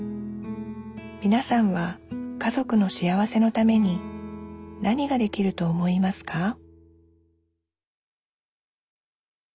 みなさんは家族の幸せのために何ができると思いますか？